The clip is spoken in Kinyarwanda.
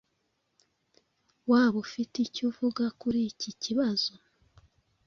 Waba ufite icyo uvuga kuri iki kibazo?